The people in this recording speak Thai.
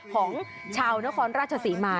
ของชาวนครราชศรีมา